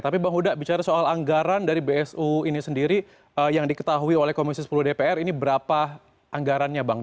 tapi bang huda bicara soal anggaran dari bsu ini sendiri yang diketahui oleh komisi sepuluh dpr ini berapa anggarannya bang